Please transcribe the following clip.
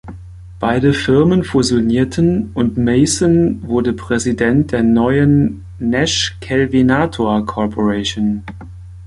Beide Firmen fusionierten und Mason wurde Präsident der neuen Nash-Kelvinator Corporation.